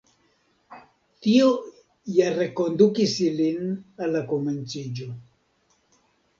Tio ja rekondukis ilin al la komenciĝo.